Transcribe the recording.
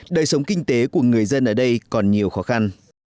đời sống kinh tế của người dân ở đây còn nhiều khó khăn